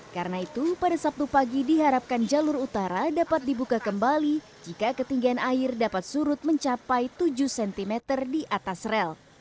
karena itu pada sabtu pagi diharapkan jalur utara dapat dibuka kembali jika ketinggian air dapat surut mencapai tujuh cm di atas rel